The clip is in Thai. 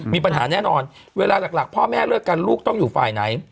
มีปัญหาแน่นอนเวลาหลักพ่อแม่เลิกกันลูกต้องอยู่ฝ่ายไหน